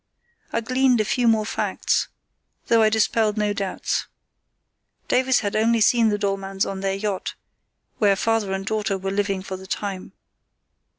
I gleaned a few more facts, though I dispelled no doubts. Davies had only seen the Dollmanns on their yacht, where father and daughter were living for the time.